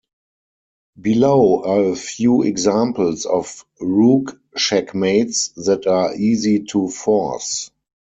Below are a few examples of rook checkmates that are easy to force.